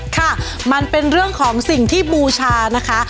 ค่ะมันเป็นเรื่องของสิ่งที่บูชานะคะ